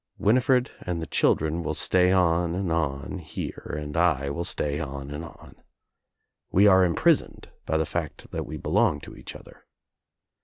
Winifred and the children will stay on and on here and I will stay on and on. We are imprisoned by the fact that we belong to each other.